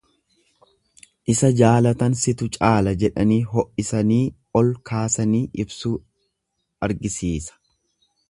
Isa jaalatan situ caala jedhanii ho'isanii ol kaasanii ibsuu argisiisa.